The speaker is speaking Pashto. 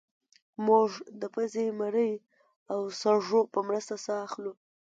موږ د پوزې مرۍ او سږو په مرسته ساه اخلو